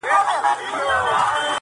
هېچا د محمد په اړه و نه لیکل